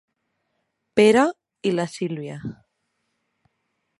Pere i la Sílvia.